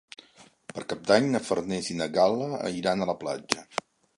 Per Cap d'Any na Farners i na Gal·la iran a la platja.